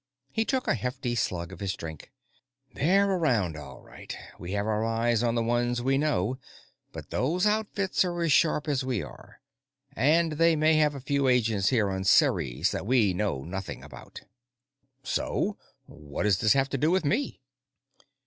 He took a hefty slug of his drink. "They're around, all right. We have our eyes on the ones we know, but those outfits are as sharp as we are, and they may have a few agents here on Ceres that we know nothing about." "So? What does this have to do with me?"